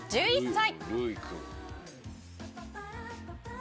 １１歳？」